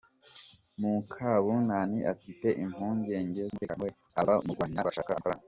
Mukabunani afite impungenge z’umutekano we, abamurwanya bashaka amafaranga